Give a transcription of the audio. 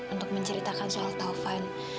untuk menceritakan soal taufan